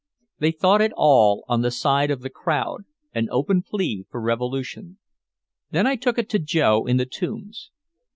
They thought it all on the side of the crowd, an open plea for revolution. Then I took it to Joe in the Tombs.